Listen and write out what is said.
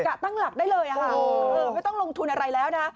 ตั้งหลักได้เลยค่ะไม่ต้องลงทุนอะไรแล้วนะ